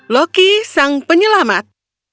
loki sang penyelamat